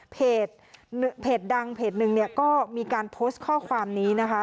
เพจดังเพจหนึ่งเนี่ยก็มีการโพสต์ข้อความนี้นะคะ